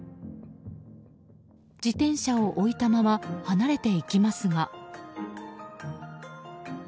自転車を置いたまま離れていきますが。